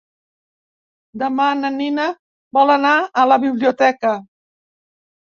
Demà na Nina vol anar a la biblioteca.